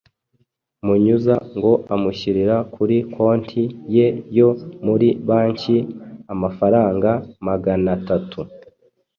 Munyuza ngo amushyirira kuri konti ye yo muri banki amafaranga maganatatu